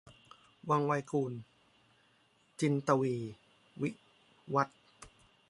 วังไวกูณฑ์ - จินตวีร์ วิวัธน์